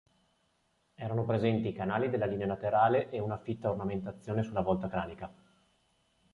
Erano presenti i canali della linea laterale e una fitta ornamentazione sulla volta cranica.